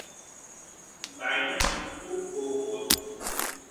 Die Beine sind purpurrot.